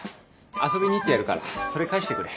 遊びに行ってやるからそれ返してくれ。